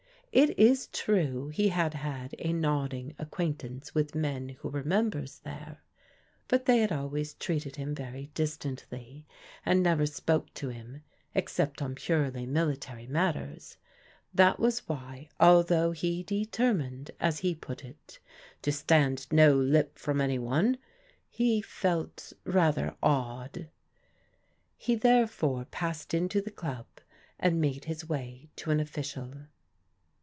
It is true he had had a nodding acquaintance with men who were members there, but they had always treated him very distantly, and never spoke to him except on purely mili tary matters. That was why, although he determined, as he put it, " to stand no lip from any one," he felt rather awed. He therefore passed into the dub, and made his way to an official.